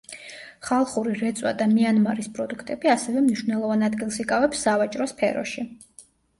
ხალხური რეწვა და მიანმარის პროდუქტები ასევე მნიშვნელოვან ადგილს იკავებს სავაჭრო სფეროში.